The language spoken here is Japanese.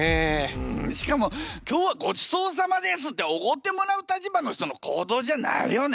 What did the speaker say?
うんしかも今日はごちそうさまですっておごってもらう立場の人の行動じゃないよね。